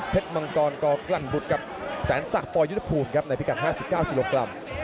มังกรกลั่นบุตรครับแสนศักดิ์ปยุทธภูมิครับในพิกัด๕๙กิโลกรัม